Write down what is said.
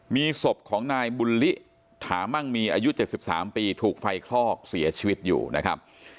มีศพของนายบุญลิถามั่งมีอายุ๗๓ปีถูกไฟคลอกเสียชีวิตอยู่นะครับ